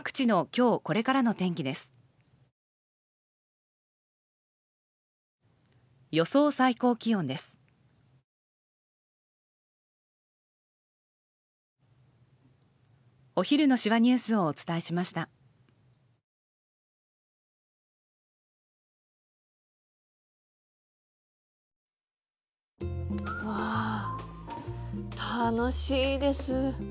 うわ楽しいです。